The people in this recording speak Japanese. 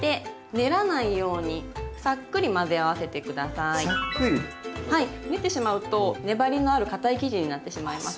練ってしまうと粘りのあるかたい生地になってしまいます。